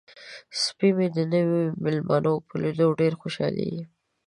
سپی مې د نویو میلمنو په لیدو ډیر خوشحالیږي.